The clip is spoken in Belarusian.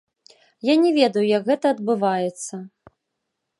Я не ведаю, як гэта адбываецца.